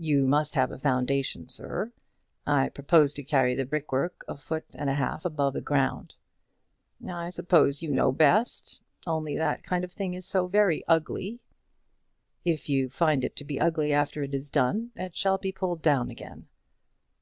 "You must have a foundation, sir. I propose to carry the brickwork a foot and a half above the ground." "I suppose you know best. Only that kind of thing is so very ugly." "If you find it to be ugly after it is done, it shall be pulled down again."